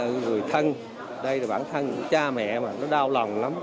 vì người thân đây là bản thân của cha mẹ mà nó đau lòng lắm